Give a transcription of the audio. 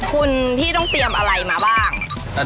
คุณพี่ต้องเตรียมอะไรมาบ้าง